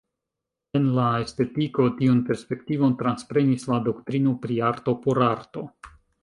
En la estetiko tiun perspektivon transprenis la doktrino pri "arto por arto".